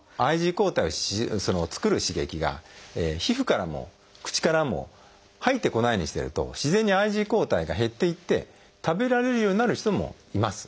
ＩｇＥ抗体を作る刺激が皮膚からも口からも入ってこないようにしてると自然にＩｇＥ抗体が減っていって食べられるようになる人もいます。